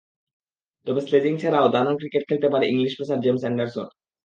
তবে স্লেজিং ছাড়াও দারুণ ক্রিকেট খেলতে তৈরি ইংলিশ পেসার জেমস অ্যান্ডারসন।